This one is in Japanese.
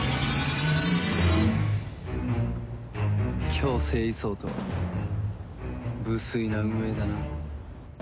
強制移送とは無粋な運営だな。